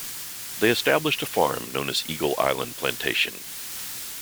They established a farm known as Eagle Island Plantation.